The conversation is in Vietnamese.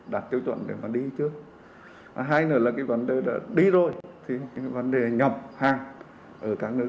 đạt tiêu chuẩn để mà đi trước hai nữa là cái vấn đề đã đi rồi thì cái vấn đề nhập hàng ở các nước